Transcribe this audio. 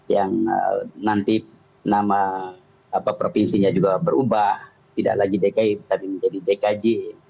yang nanti nama provinsinya juga berubah tidak lagi dki tapi menjadi jkj